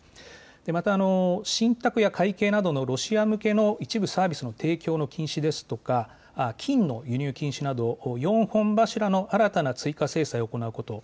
また、信託や会計などのロシア向けの一部サービスの提供の禁止ですとか、金の輸入禁止など、４本柱の新たな追加制裁を行うこと。